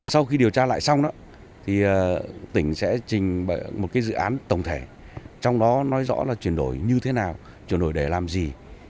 sau khi điều tra lại xong tỉnh sẽ trình bày một dự án tổng thể trong đó nói rõ là chuyển đổi như thế nào chuyển đổi để làm gì